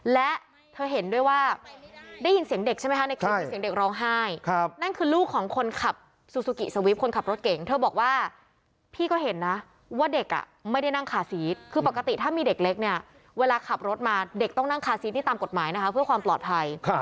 และเธอเห็นด้วยว่าได้ยินเสียงเด็กใช่ไหมท่ะที่ยิ่งเสียงเด็กร้องไห้